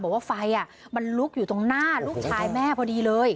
บอกว่าไฟมันลุกอยู่ตรงหน้าลูกชายแม่พอดีเลย